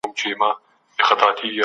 داسې خلک په ټولنه کې کم پیدا کېږي.